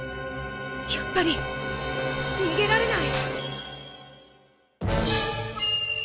やっぱり逃げられない！